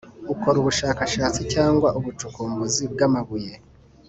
Ukora ubushakashatsi cyangwa ubucukuzi bwa amabuye